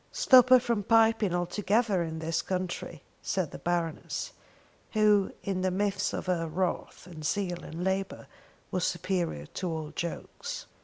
"Stop her from piping altogether in dis contry," said the Baroness, who in the midst of her wrath and zeal and labour was superior to all jokes.